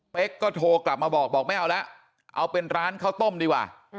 ก็โทรกลับมาบอกบอกไม่เอาแล้วเอาเป็นร้านข้าวต้มดีกว่า